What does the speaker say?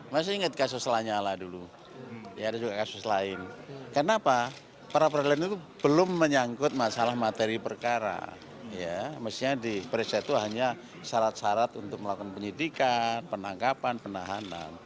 maksudnya di prastio itu hanya syarat syarat untuk melakukan penyidikan penanggapan penahanan